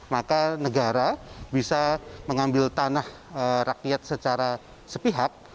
maka negara bisa mengambil tanah rakyat secara sepihak